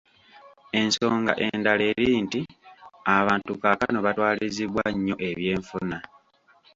Ensonga endala eri nti abantu kaakano batwalizibbwa nnyo ebyenfuna.